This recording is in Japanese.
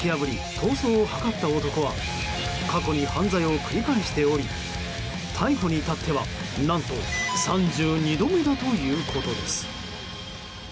逃走を図った男は過去に犯罪を繰り返しており逮捕に至っては何と３２度目だということです。